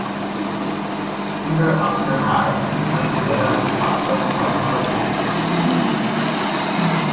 Ever After High es considerada apta para todo el público.